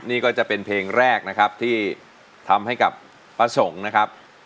นี่ก็จะเป็นเพลงแรกนะครับที่ทำให้กับป้าสงฆ์นะครับ